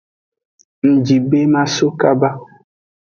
Ngji be maso kaba.